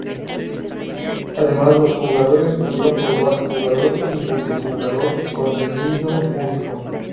Además, los jugadores pudieron probar jugador y multijugador contenido único.